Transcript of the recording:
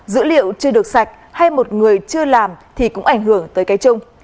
dữ liệu chưa được sạch hay một người chưa làm thì cũng ảnh hưởng tới cái chung